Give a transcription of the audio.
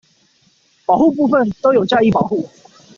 保護部分都有加以保護